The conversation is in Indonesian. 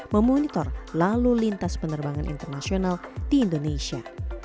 memonitor lalu lintas penerbangan internasional di indonesia